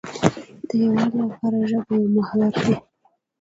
د یووالي لپاره ژبه یو ښه محور دی.